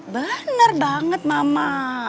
bener banget mama